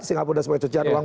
singapura sebagai cucian uang